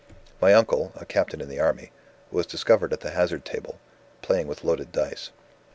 "My uncle (a captain in the Army) was discovered at the hazard table, playing with loaded dice.